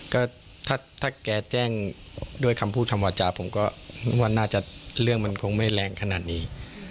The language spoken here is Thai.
ก็ถ้าแกแจ้งด้วยคำพูดคำวาจาผมก็ว่าน่าจะเรื่องมันคงไม่แรงขนาดนี้